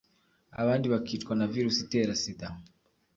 abandi bakicwa na virusi itera Sida